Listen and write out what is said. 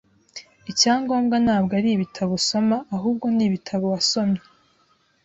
Icyangombwa ntabwo ari ibitabo usoma, ahubwo ni ibitabo wasomye .